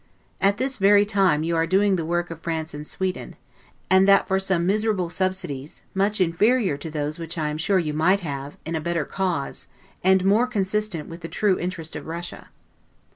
At this very time you are doing the work of France and Sweden: and that for some miserable subsidies, much inferior to those which I am sure you might have, in a better cause, and more consistent with the true interest of Russia.